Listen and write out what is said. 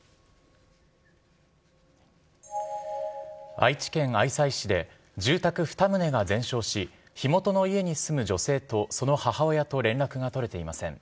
愛知県愛西市で、住宅２棟が全焼し、火元の家に住む女性とその母親と連絡が取れていません。